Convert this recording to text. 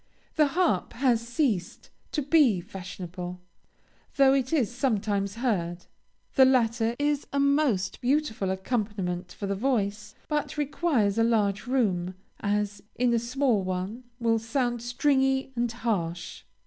The harp has ceased to be fashionable, though it is sometimes heard. The latter is a most beautiful accompaniment for the voice, but requires a large room, as, in a small one, it will sound stringy and harsh.